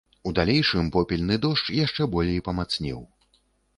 У далейшым попельны дождж яшчэ болей памацнеў.